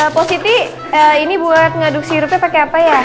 positi ini buat ngaduk sirupnya pake apa ya